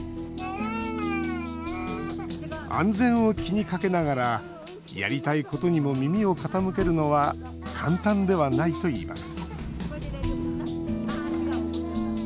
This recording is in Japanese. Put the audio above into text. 安全を気にかけながらやりたいことにも耳を傾けるのは簡単ではないといいます